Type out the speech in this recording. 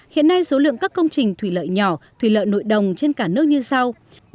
hiện nay số lượng các công trình thủy lợi nhỏ thủy lợi nội đồng trên cả nước như sau